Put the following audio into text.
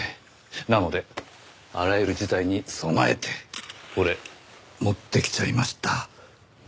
なのであらゆる事態に備えてこれ持ってきちゃいました。